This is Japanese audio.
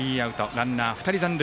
ランナー２人残塁。